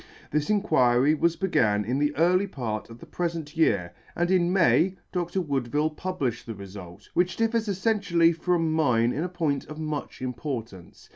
This Inquiry was began in the early part of the prefent year, and in May, Dr. Woodville [ 147 ] Woodville publilhed the refult, which differs effentially from mine in a point of much importance.